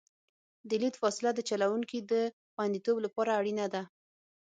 د لید فاصله د چلوونکي د خوندیتوب لپاره اړینه ده